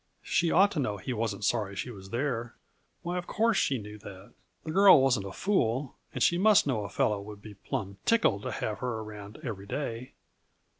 She ought to know he wasn't sorry she was there. Why, of course she knew that! The girl wasn't a fool, and she must know a fellow would be plumb tickled to have her around every day.